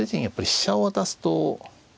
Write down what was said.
やっぱり飛車を渡すと。